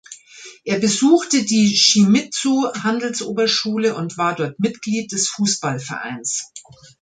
Er besuchte die Shimizu-Handelsoberschule und war dort Mitglied des Fußballvereins.